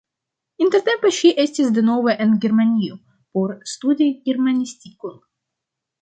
Intertempe ŝi estis denove en Germanio por studi germanistikon.